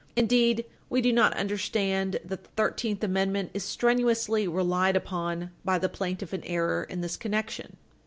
Indeed, we do not understand that the Thirteenth Amendment is strenuously relied upon by the plaintiff in error in this connection.